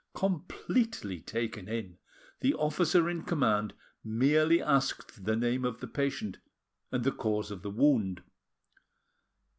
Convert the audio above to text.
Completely taken in, the officer in command merely asked the name of the patient and the cause of the wound.